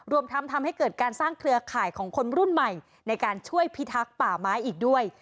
รวมทั้งทำให้เกิดการสร้างเครือข่ายของคนรุ่นใหม่ในการช่วยพิทักษ์ป่าไม้อีกด้วย